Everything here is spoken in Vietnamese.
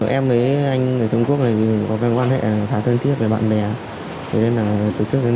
em với anh ở trung quốc có quan hệ thật thân thiết với bạn bè